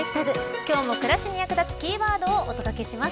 今日も暮らしに役立つキーワードをお届けします。